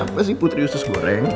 kenapa sih putri ustaz goreng